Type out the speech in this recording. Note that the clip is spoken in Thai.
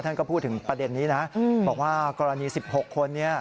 ท่านก็พูดถึงประเด็นนี้นะบอกว่ากรณี๑๖คนนี้